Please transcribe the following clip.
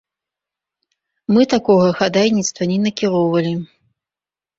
Мы такога хадайніцтва не накіроўвалі.